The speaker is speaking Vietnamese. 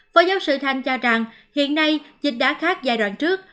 phó giáo sư thanh cho rằng hiện nay dịch đã khác giai đoạn trước